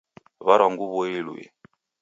Warwa nguwo iluye